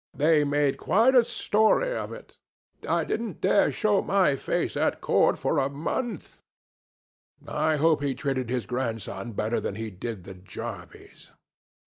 They made quite a story of it. I didn't dare show my face at Court for a month. I hope he treated his grandson better than he did the jarvies."